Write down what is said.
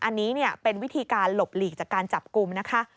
อันนี้เป็นวิธีการหลบหลีกจากการจับกลุ่มนะคะ